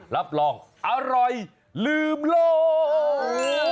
รับรองอร่อยลืมโลก